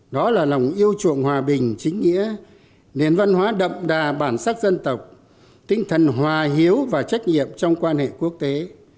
đó là lòng yêu chuộng hòa bình chính nghĩa nền văn hóa đậm đà bản sắc dân tộc tinh thần hòa hiếu và trách nhiệm trong quan hệ quốc tế